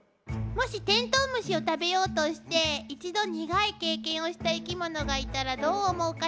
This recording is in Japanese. もしテントウムシを食べようとして一度苦い経験をした生き物がいたらどう思うかしら？